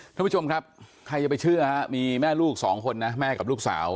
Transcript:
ท่านผู้ชมครับใครจะไปเชื่อฮะมีแม่ลูกสองคนนะแม่กับลูกสาว